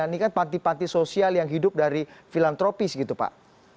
ini kan panti panti sosial yang hidup dari filantropis gitu pak